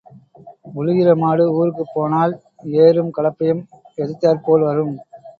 உழுகிற மாடு ஊருக்குப் போனால் ஏரும் கலப்பையும் எதிர்த்தாற் போல் வரும்.